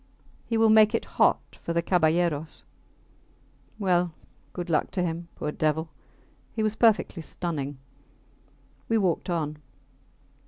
He will make it hot for the caballeros. Well, good luck to him, poor devil! He was perfectly stunning. We walked on.